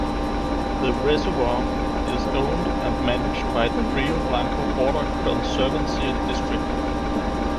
The reservoir is owned and managed by the Rio Blanco Water Conservancy District.